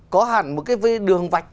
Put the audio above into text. có hẳn một cái đường vạch